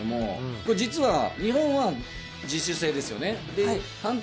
これ実は、日本は自主制ですよね。